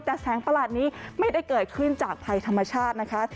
แต่แสงประหลาดนี้ไม่ได้เกิดขึ้นจากภัยธรรมชาตินะคะ